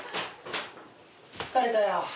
疲れたよ。